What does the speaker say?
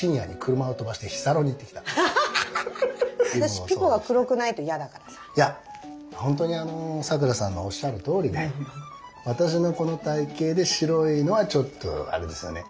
私いや本当にさくらさんのおっしゃるとおりで私のこの体型で白いのはちょっとあれですよね。